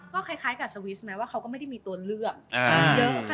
ก็คล้ายกับสวิสไหมว่าเขาก็ไม่ได้มีตัวเลือกเยอะค่ะ